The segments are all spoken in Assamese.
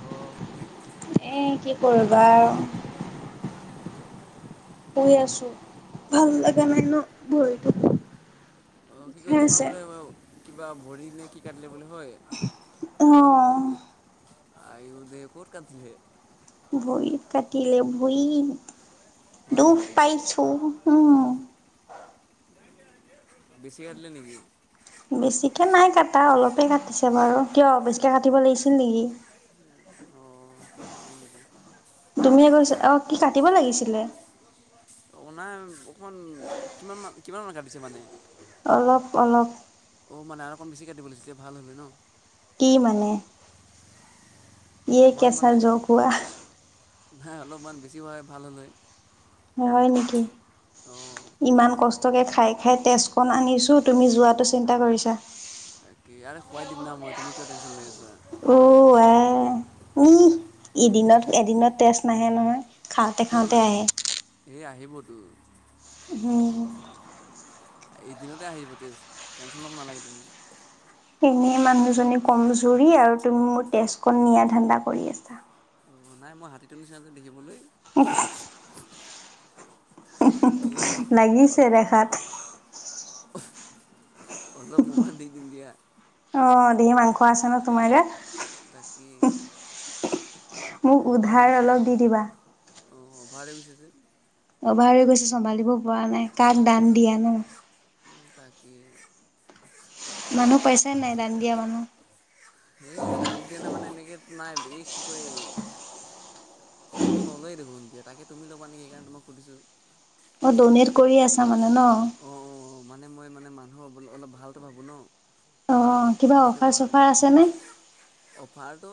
অ', এ কি কৰিবা আৰু। [inaudible] শুই আছো, ভাল লগা নাই ন ভৰিটো। অ', কি কয় বিষাই তোমাৰ আছে। বোলে কিবা ভৰি নে কি কাটিলে বোলে হয়? অ'। আইউ দেহি ক'ত কাটিলে? ভৰিত কাটিলে ভৰি হয় দুখ নেকি? পাইছো উম। বেছি কাটিলে নেকি? বেছিকৈ নাই কটা অলপেই কাটিছে বাৰু। কিয় বেছিকৈ কাটিব লাগিছিল নেকি? অ', হয় নেকি! তুমিয়ে কৈছা অ' কি কাটিব লাগিছিলে? অ', নাই অকণমান কিমান মান কিমান মান কাটিছে মানে? অলপ অলপ। অ', মানে আৰু অকণ বেছি কাটিব লাগিছিল তেতিয়া ভাল হ'ল হৈ ন? কি মানে? ইয়ে অকণমান কেঁচা মানে জোক হুৱা নাই অলপমান বেছি হয় ভাল হ'ল হয়। হয় নেকি? অ'। ইমান কষ্টকৈ খাই খাই তেজকণ আনিছোঁ তুমি যোৱাটো চিন্তা কৰিছা। তাকে আৰে খুৱাই দিম না মই তুমি কিয় টেনশ্যন লৈ আছা। অ', আই ইহহ এদিনত এদিনত তেজ নাহে নহয়। খাওঁতে কিয় খাওঁতে নাই আহে। হে আহিবতো। হম। এদিনতে আহিব তেজ টেনশ্যন ল'ব নালাগে তুমি। এনেই মানুহজনী কমজুৰি আৰু তুমি মোৰ তেজকণ নিয়া ধান্দা কৰি আছা। অ', নাই মই হাতীটো নিচিনা যে দেখিবলৈ। [inaudible] অলপ লাগিছে দেখাত। অলপ মোৰ পৰা দি দিম দিয়া। অ', ধেৰ মাংস আছে নহয় তোমাৰ গাত! তাকে মোক অভাৰ হৈ উধাৰ গৈছে। অলপ দি দিবা। অ', অভাৰ হৈ গৈছে যে। অভাৰ হৈ গৈছে চম্ভালিব পৰা নাই কাক দান দিয়ানো। উম, তাকেই। মানুহ পাইচা নে নাই দান দিয়া মানুহ? এই দাম দিয়া নাই মানে এনেকৈ নাই এই কি কয় কোনো নলয়ে দেখোন এতিয়া তাকেই তুমি লবা নেকি সেইকাৰণে মই সুধিছোঁ? অ ড'নেট কৰি আছা মানে ন? অঁ অঁ অঁ মানে মই মানে মানুহৰ অলপ ভালটো ভাবোঁ ন। অঁ কিবা সেইটো অফাৰ কাৰণে চফাৰ আছেনে? অফাৰটো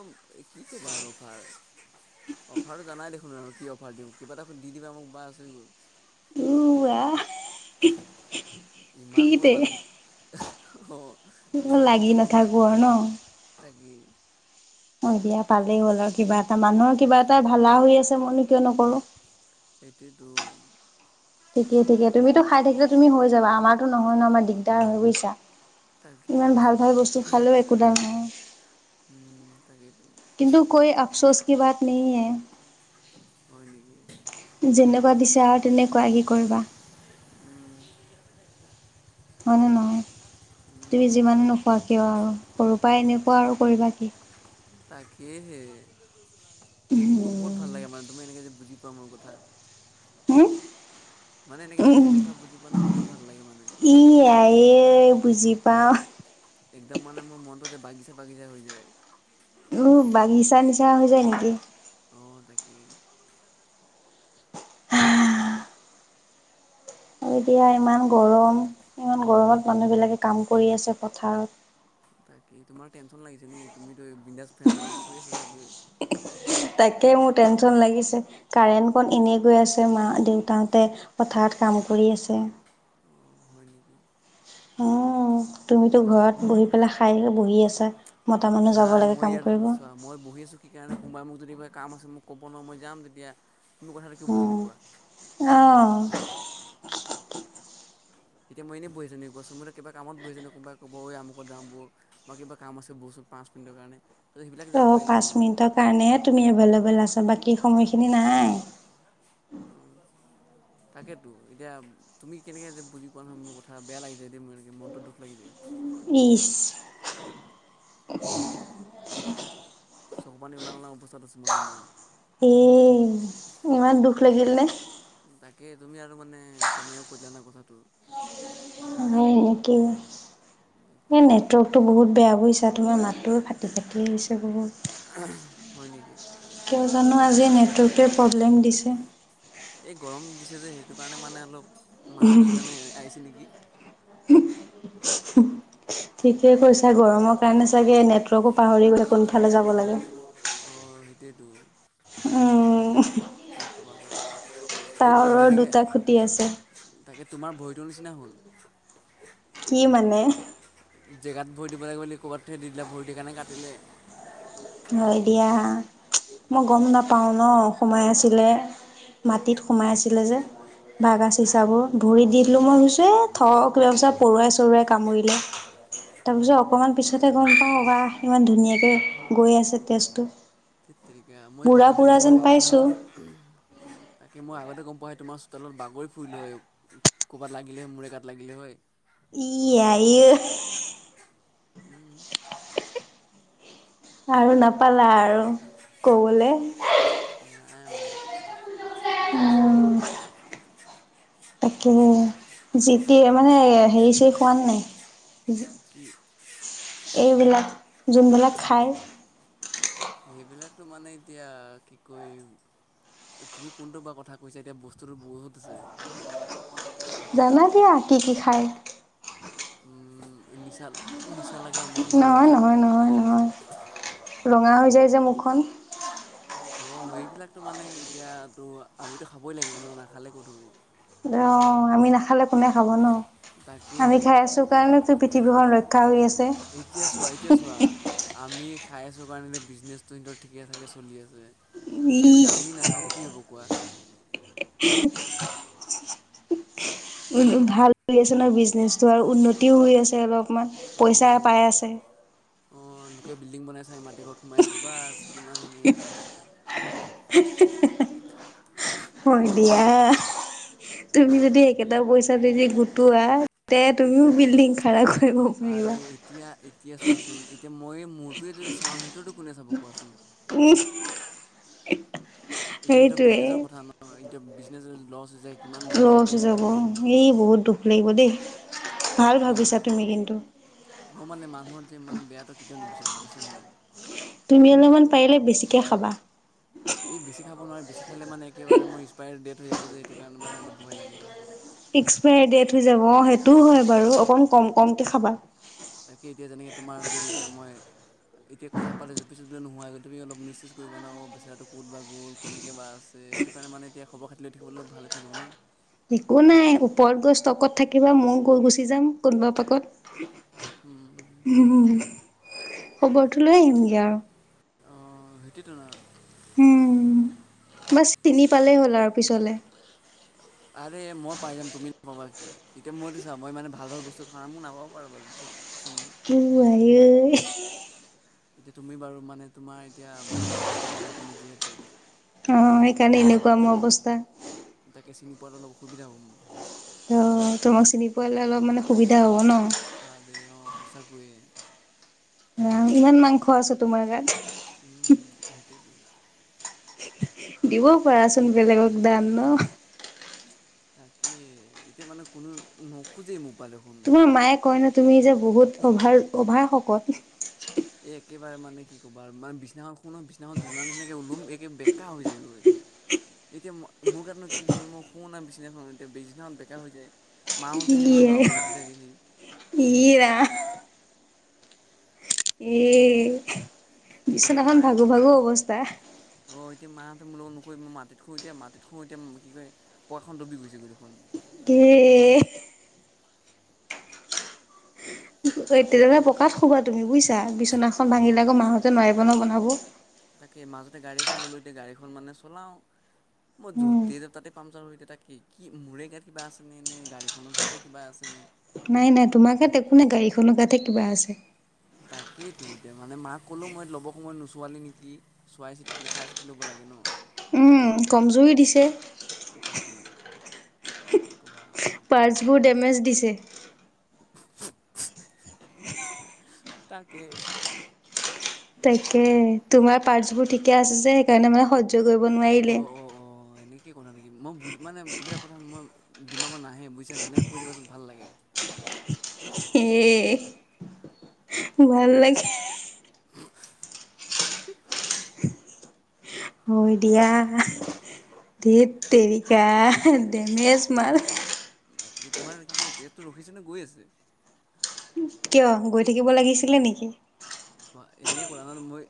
কি ক'বা আৰু অফাৰ। অফাৰটো জানাই দেখোন আৰু কি অফাৰ দিওঁ কিবা এটা দি দিবা মোক বাচ হৈ গ'ল। উ আহ ইমান মই ফ্ৰীতে ইমান অ ইমান লাগি টেনচন নলওঁ। নাথাকো আৰু ন। তাকেই! ! অঁ দিয়া পালেই হ'ল আৰু কিবা এটা মানুহৰ কিবা এটাই ভালা হৈ আছে মইনো কিয় নকৰোঁ। সেইটোৱেতো ঠিকেই ঠিকে তুমিতো খাই থাকিলে তুমি হৈ যাবা আমাৰটো নহয় ন। আমাৰ দিগদাৰ হয় বুইছা? ইমান তাকে ভাল ভাল বস্তু খালেও একো দাল নাই। উম তাকেইটো কিন্তু কৈ অফচোচ কি বাত নেহি হে। হয় নিকি? যেনেকুৱা দিছে আৰু তেনেকুৱা কি কৰিবা। উম! হয়নে নহয় উম। তুমি যিমানে নোখোৱা কিয় আৰু সৰুৰ পাই এনেকুৱা আৰু কৰিবা কি? তাকে হে মোৰ বহুত ভাল লাগে মানে তুমি এনেকে যে বুজি, পোৱা মোৰ কথা হুম মানে এনেকে তুমি মোৰ কথা বুজি পোৱা না বহুত ভাল লাগে মানে। ই আই এ বুজি পাওঁ। একদম মানে মোৰ মনটো যে বাগিচা বাগিচা হৈ যায়। উম বাগিচা নিচিনা হৈ যায় নেকি? অঁ তাকেই আৰু এতিয়া ইমান গৰম ইমান গৰমত মানুহ বিলাকে কাম কৰি আছে পথাৰত। তাকে তোমাৰ টেনচন লাগিছে নেকি তুমিতো বিন্দাছ ফেনৰ তলত শুই আছা চাগৈ তাকে মোৰ টেনচন লাগিছে কাৰেণ্ট কন এনে গৈ আছে। মা দেউতাহঁতে পথাৰত কাম কৰি আছে অঁ হয় নিকি অ তুমিতো বি- ঘৰত বহি পেলাই খাই লৈ বহি আছা মতা মানুহ যাব নাই লাগে মই কাম ইয়াত কৰিব চোৱা মই বহি আছোঁ এইকাৰণে কোনোবাই মোক যদি কয় কাম আছে মোক ক'ব ন মই যাম তেতিয়া তুমি কথাটো কিয় বুজি নোপোৱা অ এতিয়া মই এনে বহি আছোনি কোৱাচোন মইত কিবা কামত বহিছে কোনোবাই কব'ই অই আমুকত যাও বল বা কিবা কাম আছে বৈচোন পাঁচ মিনিটৰ কাৰণে ত সেইবিলাক যাব অঁ পাৰিম না পাঁচ মই মিনিটৰ কাৰণেহে তুমি এভেইলেবল আছা বাকী সময়খিনি নাই। উম তাকেতো এতিয়া তুমি কেনেকে যে বুজি পোৱা নহয় মো কথা বেয়া লাগি যায় দেই সেনেকে মনটো দুখ লাগি যায় ইচ একদম চকু পানী ওলাও ওলাওঁ অৱস্থাত আছোঁ মানে মই এছ ইমান দুখ লাগিল নে তাকে তুমি আৰু মানে কেনেকে কৈ দিলা ন কথাটো হয় নেকি এ নেটৱৰ্কটো বহুত বেয়া বুইছা তোমাৰ মাতটো ফাটি ফাটি আহিছে বহুত হয় নেকি কিয় জানো আজি নেটৱৰ্কটোৱে প্ৰব্লেম দিছে এই গৰম দিছে যে, সেইটো কাৰণে মানে অলপ মাতটো সেইকাৰণে আহিছে নেকি। [unintelligible] ঠিকে কৈছা গৰমৰ কাৰণে চাগে নেটৱৰ্কো পাহৰি গলে কোনফালে যাব লাগে। অঁ' সেইটোৱে তো। উম, কি ক'বা মানে, এইটোৱে টাৱাৰৰ যেনেকে- দুটা খুটি আছে তাকে, তোমাৰ ভৰিটোৰ নিচিনা হ'ল। কি মানে? জেগাত ভৰি দিব লাগে বুলি ক'ৰবাত থে দি দিলে ভৰিত সেই কাৰণে কাটিলে। হয় দিয়া, মই গম তাকেই নাপাওঁ ন। সোমাই আছিলে, মাটিত সোমাই আছিলে যে অ ভাগা তাকেই চিচাবোৰ। ভৰি দি দিলোঁ মই ভাবিছো থ কিবা পৰুৱাই-চৰুৱাই কামুৰিলে। তাৰপিছত অকমান পিছতেহে গম পাওঁ বাহ ইমান ধুনীয়াকে গৈ আছে তেজটো। ধেৎ তেৰিকা মই এই বুঢ়া আগতে বুঢ়া গম যেন পাইছোঁ পাহে- অঁ তাকে মই আগতে গম পোৱােই তোমাৰ চোতালত বাগৰি ফুৰিলোঁ হয়। ক'বাত লাগিলে মূৰে গাত লাগিলে হয়। ই আই উ। উম' আৰু নাপালা আৰু। ক'বলে নাই মানে। উম' তাকেহে, জিটি মানে হেৰি চেৰি খোৱা নে নাই? কি এইবিলাক যোনবিলাক খায়। সেইবিলাকতো মানে এতিয়া কি কৈ- তুমি কোনটো বা কথা কৈছা? এতিয়া বস্তুটো বহুত আছে। জানা দিয়া, কি কি খায়? উম এ নিচাল। এ নিচা লাগা- নহয় নহয় নহয় নহয়, ৰঙা হৈ যায় যে মুখখন। অ' সেইবিলাকতো মানে এতিয়া তো আমিতো খাবই লাগিব ন, নাখালে ক'ত হ'ব? অঁ' আমি নাখালে কোনে খাব ন? আমি তাকেহে খাই আছো কাৰণেতো পৃথিৱীখন ৰক্ষা হৈ আছে। এতিয়া চোৱা এতিয়া চোৱা আমি খাই আছোঁ কাৰণে এতিয়া বিজনেছটো সিহঁতৰ ঠিকেঠাকে চলি আছে। তেতিয়া যদি ই আমি নাখাওঁ, কি হ'ব কোৱা। [unintelligible] উম' উম' ভাল চলি নহ বিজনেচটো, আৰু উন্নতিও হৈ আছে আৰু অকমান, পইচা অঁ পাই আছে। অঁ' নোকে বিল্ডিং বনাই আছে, আমি মাটি ঘৰত সোমাই আছো বাচ কিমান ধুনীয়া। হয় দিয়া। তুমি যদি একেটা পইচা দি দি গোটোৱা তে তুমিও বিল্ডিং- খাৰা কৰিব। পাৰিবা। আৰে এতিয়া, এতিয়া চোৱাচোন। এতিয়া মই মোৰটোৱে যদি চাওঁ সিহঁততো কোনে চাব কোৱাচোন? ইহ। এতিয়া ইহঁতৰ বিজনেছৰ কথা ন' এতিয়া বিজনেছৰ লছ হৈ যায়। কিমান দুখ লছ লাগিব হৈ যাব, সিহঁতৰ এই বহুত দুখ লাগিব দেই, ভাল ভাবিছা তেতিয়াহ'লে তুমি কিন্তু। মই মানে মানুহৰ যে মানে বেয়াটো কেতিয়াও নিবিচাৰো বুইছানে নাই। তুমি অলমান পাৰিলে বেছিকে খাবা। এই বেছি খাব নোৱাৰে, বেছি খালে মানে একেবাৰে মোৰ এক্সপায়াৰ ডেট হৈ যাব যে, সেইটো কাৰণে মানে অলপ ভয় লাগে। এক্সপাৰী ডেট হৈ যাব, অ' সেইটোও হয় উম, বাৰু অকন কম কমকে খাবা। তাকে এতিয়া যেনেকে তোমাৰ যদি এতিয়া মই এতিয়া কথা পাতিছোঁ, পিছত বোলে নোহোৱা হৈ গল, তুমি অলপ মিচ চিছ কৰিবা না, অ বেচাৰটো ক'ত বা গ'ল কেনেকৈ বা আছে। সেইটো কাৰণে মানে এতিয়া খবৰ খাতি লৈ থাকিবলৈ ভালে থাকিব ন। একো নাই ওপৰত গৈ ষ্টকত থাকিবা ময়ো গৈ গুচি যাম। কোনোবা পাকত। খবৰটো লৈ আহিমগে আৰু। অ' সেইটোটো ন। উম' বাছ চিনি পালেই হ'ল আৰু পিছলে। আৰে মই পাই যাম, তুমি এতিয়া মইতো চা, মই মানে ভাল ভাল বস্তু খাওঁ, মোৰ নাপাব পাৰোঁ বাৰু ঠিক চিনি অ'আই অ। এতিয়া, তুমি বাৰু মানে তোমাৰ এতিয়া ভাল ভাল বস্তু নোখোৱা তুমি যিহেতু অঁ সেইকাৰণে অলপ এনেকুৱা মানে মোৰ অৱস্থা। তাকে চিনি পোৱাত অলপ অসুবিধা হ'ব মোৰ। অ 'তোমাক চিনি পোৱালে অলপ মানে সুবিধা হ'ব ন। আ দেই অ সঁচাকৈয়ে। অ' ইমান মাংস আছে তোমাৰ গাত। উম' সেইটোৱেটো। দিবও পাৰা চোন বেলেগক দান ন'। তাকে, এতিয়া মানে কোনো নোখোজেই মোৰপা দেখোন। তোমাৰ মায়ে কয় নহয়, তুমি যে বহুত অভাৰ অভাৰ শকত। এ একেবাৰে মানে কি ক'বা। মানে বিছনাখন শু নহয় বিচনাখন জোলনা নিচিনাকে ওলোমি একে বেকা হৈ যায়গৈ। এতিয়া মই মোৰ গাতনো কি ভু'ল। মই শুও না বিছনাখন এতিয়া বিছনাখন বেকা হৈ যায়। মাহতে হে ই মোৰ আই। গাঁৰ ওপৰত উঠি থাকে হি। ই ৰাম। ই এই কাৰণে মাই মোক অঁ এতিয়া মাহঁতে মোৰ লগত নুশুৱে, মই মাটিত শুও। এতিয়া মাটিত শুওঁ, এতিয়া কি কয় পকাখন ডবি গৈছেগৈ দেখোন। কি আকৌ এতিয়া কি মানে কয় পকাত শুবা তুমি বুইছা, বিছনাখন অঁ ভাঙিলে আকৌ মাহঁতে নোৱাৰিব ন বনাব। তাকে, মাজতে গাড়ী এখন ললোঁ, এতিয়া গাড়ীখন মানে চলাওঁ। মই উম। য'তেই যাওঁ তাতে পামচাৰ হৈ, তাক কি কি মোৰে গাত কিবা আছেনে, নে গাড়ীখনৰ তাতে কিবা আছেনে। নাই নাই তোমাৰ গাত একো নাই, গাড়ীখনৰ গাতে কিবা আছে। তাকেইতো, এতিয়া মানে মাক ক'লো মই ল'ব সময়ত নোচোৱালি নেকি? চোৱাই চিতি, চাই চিতি ল'ব লাগে ন। উম কমজুৰি দিছে। উম' তাকেই কবা। পাৰ্ছবোৰ ডেমেজ দিছে। তাকে। তাকে তোমাৰ পাৰ্টছবোৰ ঠিকে আছে যে, সেইকাৰণে মানে সহ্য কৰিব নোৱাৰিলে। কি কলা নেকি, মই বুজ মানে এইবিলাক কথা মই ডিমাগত নাহে বুইছে নে, কৈ দিবাচোন ভাল লাগে। এ ভাল লাগে। [unintelligible] মই দিয়া। ধেত তেৰিকা দেমেছ মাল বাকী তোমাৰ কি কয় তেজটো ৰখিছেনে গৈ আছে কিয় গৈ থাকিব লাগিছিলে নেকি চোৱা এনেকে কলান মই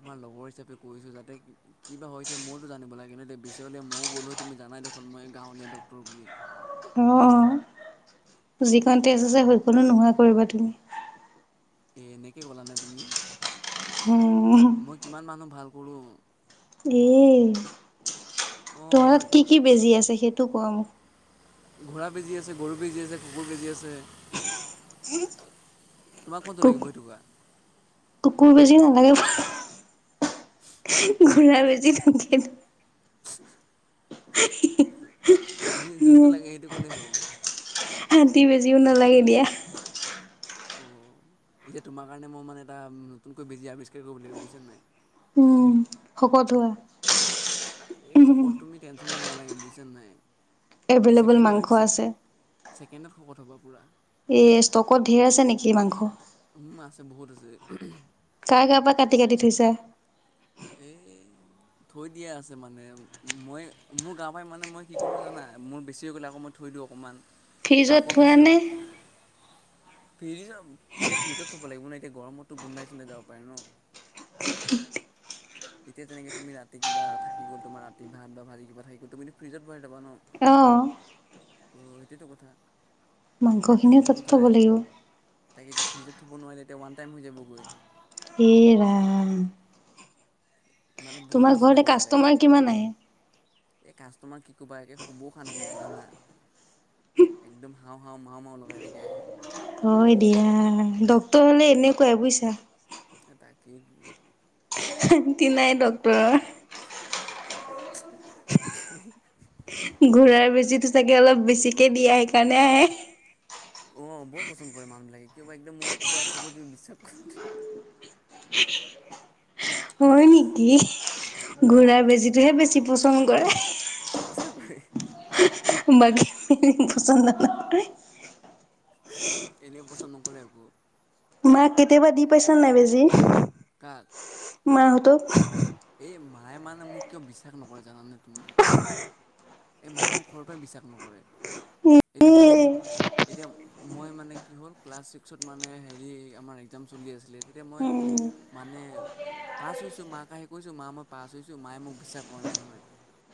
তোমাৰ লগৰ হিচাপে কৈছোঁ যাতে কিবা হৈছে ময়ওতো জানিব লাগে ন বিচাৰলে মইও গ'ল তুমি জানাই দেখোন মই গাঁৱলীয়া ডক্টৰ বুলি অ তো যিকণ টেজ আছে সেইকণো নোহোৱা কৰিবা তুমি এ এনেকে ক'লা নে তুমি উম মই কিমান মানুহ ভাল কৰোঁ এ অঁ তহত কি কি বেজি আছে সেইটো ক ঘোঁৰা বেজি আছে গৰু বেজি আছে কুকুৰ বেজি আছে তোমাক কোনটো কুক লাগিব সেইটো কোৱা কুকুৰ বেছি নালাগে ঘুৰাৰ বেছি টো দি দে অহ হি হি তুমি যোনটো লাগে সেইটো ক'লেই হ'ল হাতী বেজিও নালাগে দিয়া অঁ এতিয়া তোমাৰ কাৰণে মই মানে এটা নতুনকৈ বেজি আৱিষ্কাৰ কৰিব লাগিব বুজিছেনে নাই উম শকত হোৱা এই শকত তুমি টেনশন ল'ব নালাগে বুজিছা ন নাই এভেইলেবল ছেকেণ্ডতে মাংস ছে আছে ছেকেণ্ডত শকত হ'বা পূৰা এই ষ্টকত ঢেৰ আছে নেকি মাংস উম আছে বহুত আছে উহুম কাৰ কাৰ পৰা কাটি কাটি থৈছা এই থৈ দিয়া আছে মানে মই মোৰ গাৰ পৰা মানে মই কি কৰোঁ জানা মোৰ বেছি হৈ গ'লে আকৌ মই থৈ দিওঁ অকণমান চ' ফ্ৰিজত আকৌ থোৱা বেছি হ'ল নে ফ্ৰিজত এতিয়া ফ্ৰিজত থব লাগিব ন এতিয়া গৰমততো গোন্ধাই চুধাই যাব পাৰে ন এতিয়া যেনেকে তুমি এতিয়া ৰাতি কিবা গ'ল তোমাৰ ৰাতি ভাত বা ভাজি কিবা থাকি গ'ল তুমিতো ফ্ৰিজত ভৰাই থবা ন অ ত' সেইটোতো কথা এতিয়া মাংসখিনিও ফ্ৰীজত তাতে থ'ব নথলে লাগিব তাকে এতিয়া ফ্ৰিজত থ'ব নোৱাৰিলে এতিয়া ওৱান টাইম হৈ যাবগৈ এ ৰাম মানে তোমাৰ বহুতখিনি ঘৰলে চিন্তা কৰিব লাগে কাষ্টমাৰ কিমান আহে এই কাষ্টটমাৰ কি ক'বা একে শুবও শান্তি নাই জানা একদম হাওঁ হাওঁ মাও মাও লগাই থাকে আহি হয় দিয়া ডক্তৰ হলে এনেকুৱাই বুজিছা তাকেইটো চুতি নাই ডক্টৰৰ তাকে ঘূৰাৰ বেজিটো চাগে অলপ বেছিকে দিয়া সেইকাৰণে আহে অ বৰ পচন্দ কৰে মানুহবিলাকে কিয় বা একদম মোৰ পৰা চকু মুদি বিশ্বাস কৰে [unintelligible] হয় নেকি ঘূৰাৰ বেজীটোহে বেছি পছন্দ কৰে। সচাকৈয়ে। বাকী পছন্দ নহয়। এনে পছন্দ নকৰে আকৌ। মাক কেতিয়াবা দি পাইছানে নাই বেজী? কাক। মাহঁতক। এই মায়ে মানে মোক কিয় বিশ্বাস নকৰে জানানে তুমি? এই মায়ে মোক সৰুৰ পৰাই বিশ্বাস নকৰে এতিয়া মই যদি এতিয়া- মই মানে কি হ'ল ক্লাছ ছিক্সত মানে হেৰি, আমাৰ এক্সাম চলি আছিলে তেতিয়া মই- উম মানে পাছ হৈছোঁ মাক আহি কৈছোঁ মা মই পাছ হৈছোঁ মায়ে মোক বিশ্বাস কৰা নাই নহয়।